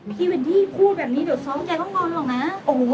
ที่เป็นพี่พูดแบบนี้เดี๋ยวซ้อมแกก็งอนหรอกนะ